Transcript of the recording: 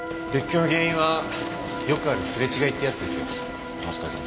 別居の原因はよくあるすれ違いってやつですよ。